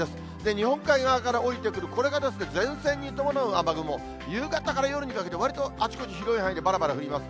日本海側から下りてくる、これがですね、前線に伴う雨雲、夕方から夜にかけてわりとあちこち、広い範囲でぱらぱら降ります。